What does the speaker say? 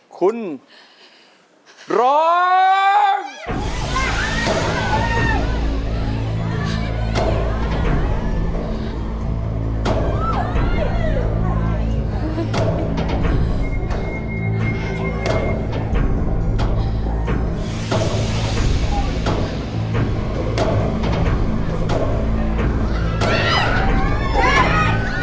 คุณร้อง